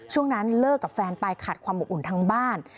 ช่วงนั้นเลิกกับแฟนไปขัดความอบอุ่นทั้งบ้าน